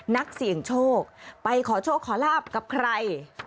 นักเสี่ยงโชคไปขอโชคขอลาบกับใคร